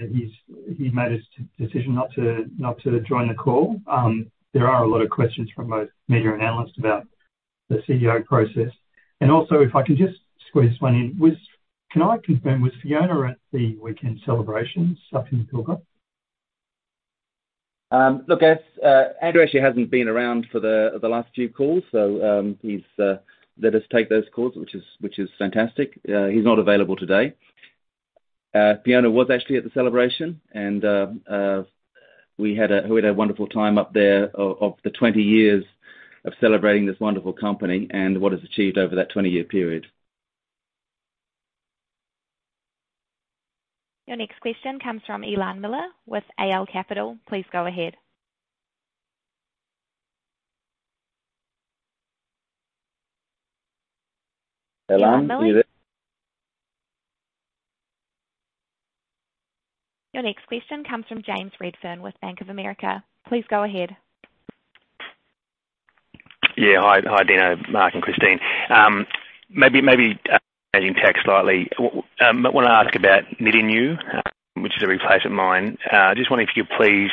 Is he, he made a decision not to join the call? There are a lot of questions from both media and analysts about the CEO process. And also, if I can just squeeze one in. Can I confirm, was Fiona at the weekend celebrations up in Pilbara? Look, yes, Andrew actually hasn't been around for the last few calls, so he's let us take those calls, which is fantastic. He's not available today. Fiona was actually at the celebration, and we had a wonderful time up there of the 20 years of celebrating this wonderful company and what has achieved over that 20-year period. Your next question comes from Elan Miller with AL Capital. Please go ahead. Elan, are you there? Your next question comes from James Redfern with Bank of America. Please go ahead. Yeah, hi. Hi, Dino, Mark, and Christine. Maybe slightly. I want to ask about Nyidinghu, which is a replacement mine. Just wondering if you could please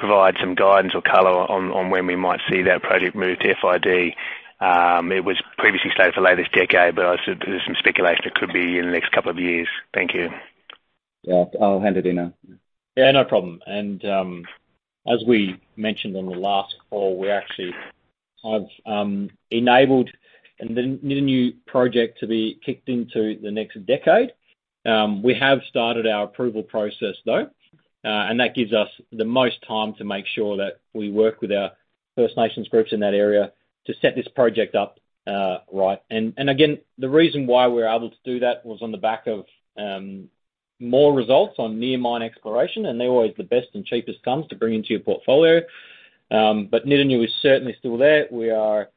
provide some guidance or color on when we might see that project move to FID. It was previously slated for late this decade, but I said there's some speculation it could be in the next couple of years. Thank you. Yeah, I'll hand it, Dino. Yeah, no problem. And, as we mentioned on the last call, we actually have enabled the Nyidinghu project to be kicked into the next decade. We have started our approval process, though, and that gives us the most time to make sure that we work with our First Nations groups in that area to set this project up, right. And, again, the reason why we're able to do that was on the back of more results on near mine exploration, and they're always the best and cheapest comes to bring into your portfolio. But Nyidinghu is certainly still there. We are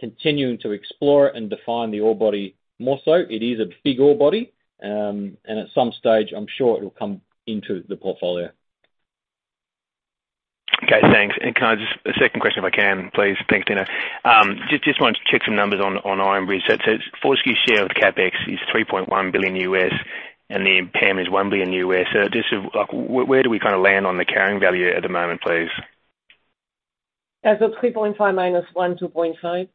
continuing to explore and define the ore body more so. It is a big ore body, and at some stage, I'm sure it'll come into the portfolio. Okay, thanks. And can I just a second question if I can, please? Thanks, Dino. Just want to check some numbers on Iron Bridge. So it says, Fortescue share of the CapEx is 3.1 billion, and the impairment is 1 billion. So just to... Like, where do we kind of land on the carrying value at the moment, please? As of 3.5 minus 1, 2.5.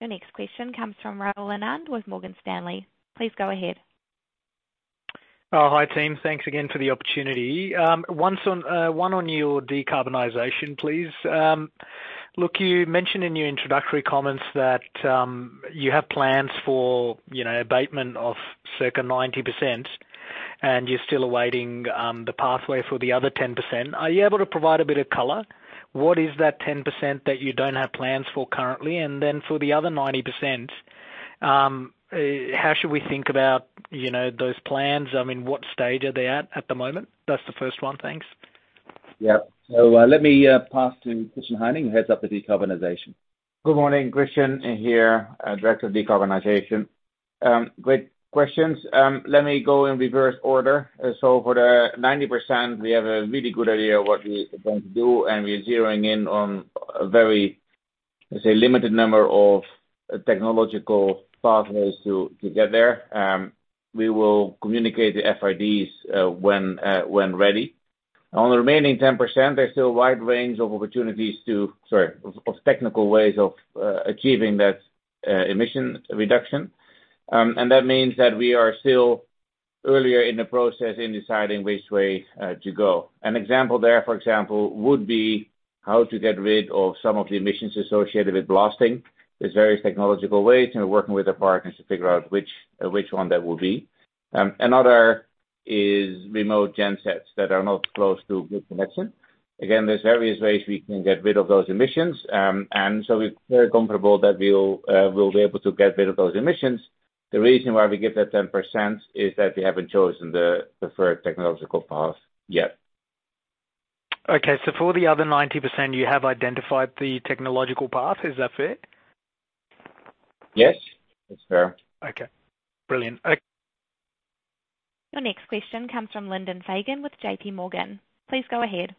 Your next question comes from Rahul Anand with Morgan Stanley. Please go ahead. Oh, hi, team. Thanks again for the opportunity. One on your decarbonization, please. Look, you mentioned in your introductory comments that you have plans for, you know, abatement of circa 90%, and you're still awaiting the pathway for the other 10%. Are you able to provide a bit of color? What is that 10% that you don't have plans for currently? And then for the other 90%, how should we think about, you know, those plans? I mean, what stage are they at the moment? That's the first one. Thanks. Yeah. So, let me pass to Christiaan Heyning, who heads up the decarbonization. Good morning, Christiaan Heyning here, Director of Decarbonization. Great questions. Let me go in reverse order. So for the 90%, we have a really good idea of what we are going to do, and we are zeroing in on a very, let's say, limited number of technological pathways to get there. We will communicate the FIDs when ready. On the remaining 10%, there's still a wide range of opportunities to... Sorry, of technical ways of achieving that emission reduction. And that means that we are still earlier in the process in deciding which way to go. An example there, for example, would be how to get rid of some of the emissions associated with blasting. There's various technological ways, and we're working with our partners to figure out which one that will be. Another is remote gen sets that are not close to good connection. Again, there's various ways we can get rid of those emissions. And so we're very comfortable that we will, we'll be able to get rid of those emissions. The reason why we give that 10% is that we haven't chosen the preferred technological path yet. Okay, so for the other 90%, you have identified the technological path, is that fair?... Yes, that's fair. Okay, brilliant. Thank- Your next question comes from Lyndon Fagan with JPMorgan. Please go ahead.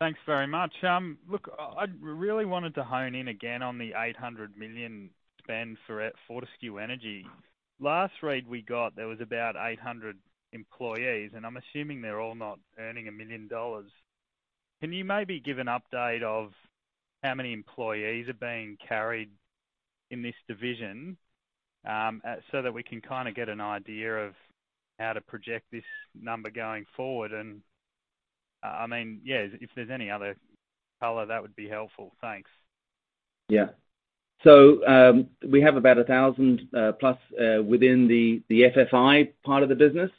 Thanks very much. Look, I really wanted to hone in again on the 800 million spend for Fortescue Energy. Last read we got, there was about 800 employees, and I'm assuming they're all not earning 1 million dollars. Can you maybe give an update of how many employees are being carried in this division, so that we can kinda get an idea of how to project this number going forward? And I mean, yeah, if there's any other color, that would be helpful. Thanks. Yeah. So, we have about 1,000-pluswithin the FFI part of the business,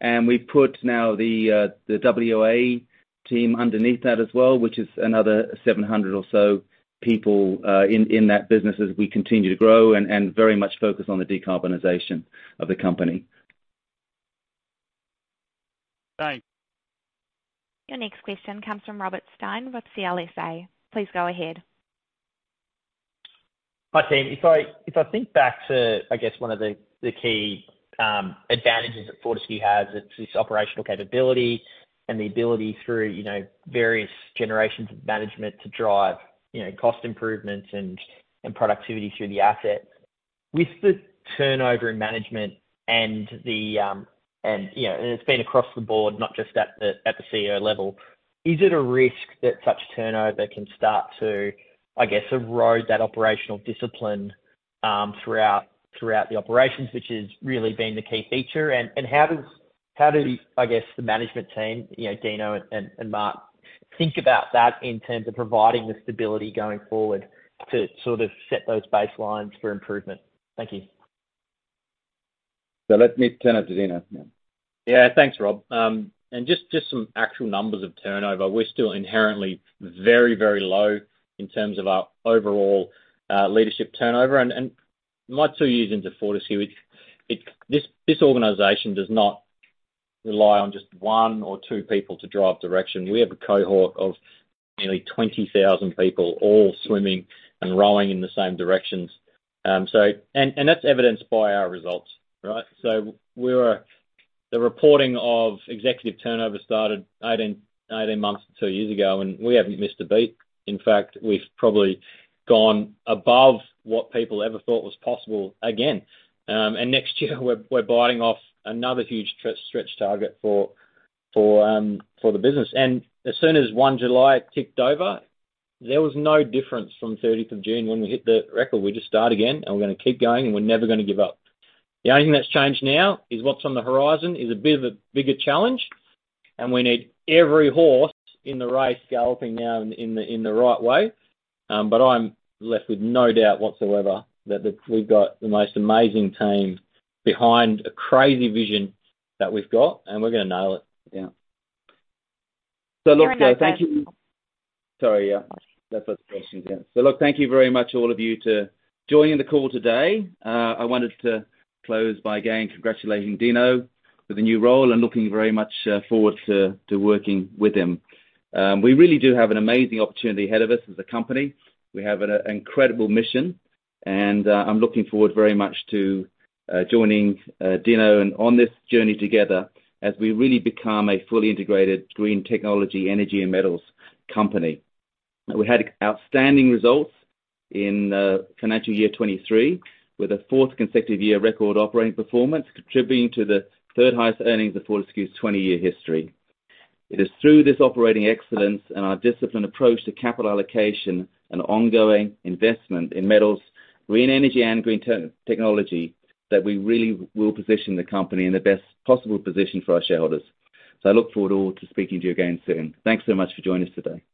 and we put now the WAE team underneath that as well, which is another 700 or so people in that business as we continue to grow and very much focused on the decarbonization of the company. Thanks. Your next question comes from Robert Stein with CLSA. Please go ahead. Hi, team. If I think back to, I guess, one of the key advantages that Fortescue has, it's this operational capability and the ability through, you know, various generations of management to drive, you know, cost improvements and productivity through the assets. With the turnover in management and, you know, and it's been across the board, not just at the CEO level, is it a risk that such turnover can start to, I guess, erode that operational discipline throughout the operations, which has really been the key feature? And how do, I guess, the management team, you know, Dino and Mark, think about that in terms of providing the stability going forward to sort of set those baselines for improvement? Thank you. Let me turn it to Dino now. Yeah. Thanks, Rob. And just some actual numbers of turnover. We're still inherently very, very low in terms of our overall leadership turnover. And my two years into Fortescue, it, this organization does not rely on just one or two people to drive direction. We have a cohort of nearly 20,000 people all swimming and rowing in the same directions. So, and that's evidenced by our results, right? So the reporting of executive turnover started 18, 18 months to two years ago, and we haven't missed a beat. In fact, we've probably gone above what people ever thought was possible again. And next year, we're biting off another huge stretch target for the business. As soon as 1 July ticked over, there was no difference from 30th of June when we hit the record. We just start again, and we're gonna keep going, and we're never gonna give up. The only thing that's changed now is what's on the horizon is a bit of a bigger challenge, and we need every horse in the race galloping now in the right way. But I'm left with no doubt whatsoever that we've got the most amazing team behind a crazy vision that we've got, and we're gonna nail it. Yeah. So look, thank you-... Sorry, yeah. That's the question. Yeah. So look, thank you very much, all of you, to joining the call today. I wanted to close by again congratulating Dino with a new role and looking very much forward to working with him. We really do have an amazing opportunity ahead of us as a company. We have an incredible mission, and I'm looking forward very much to joining Dino, and on this journey together, as we really become a fully integrated green technology, energy, and metals company. We had outstanding results in financial year 2023, with a fourth consecutive year record operating performance, contributing to the third highest earnings of Fortescue's 20-year history. It is through this operating excellence and our disciplined approach to capital allocation and ongoing investment in metals, green energy, and green technology, that we really will position the company in the best possible position for our shareholders. I look forward all to speaking to you again soon. Thanks so much for joining us today.